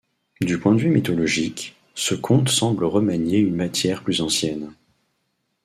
Du point de vue mythologique, ce conte semble remanier une matière plus ancienne.